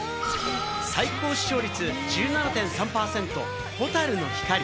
最高視聴率１７．３％『ホタルノヒカリ』。